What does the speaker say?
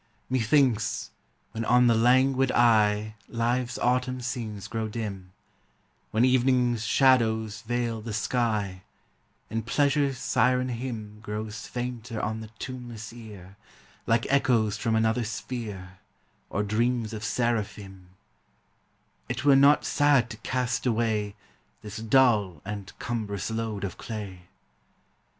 Methinks, when on the languid eye Life's autumn scenes grow dim; When evening's shadows veil the sky; And pleasure's siren hymn Grows fainter on the tuneless ear, Like echoes from another sphere, Or dreams of seraphim It were not sad to cast away This dull and cumbrous load of clay.